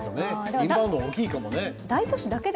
インバウンドは大きいかもね。